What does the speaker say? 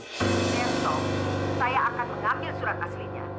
besok saya akan mengambil surat aslinya